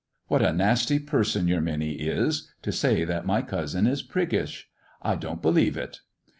What a nasty person your Minnie is to say that my cousin is priggish ! I don't believe it."